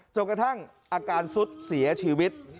จนกระทั่งอาการสุดเสียชีวิต